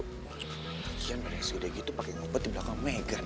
lagian mereka si deddy itu pake ngopet di belakang megan